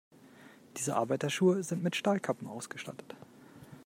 Diese Arbeiterschuhe sind mit Stahlkappen ausgestattet.